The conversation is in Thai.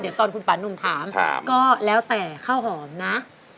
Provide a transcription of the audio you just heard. เดี๋ยวตอนคุณป่านุ่มถามก็แล้วแต่ข้าวหอมนะ